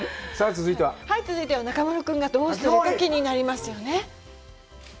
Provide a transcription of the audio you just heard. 続いては中丸君がどうしてるか気になりますよね。